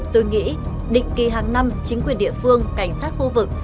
tôi nghĩ định kỳ hàng năm chính quyền địa phương cảnh sát khu vực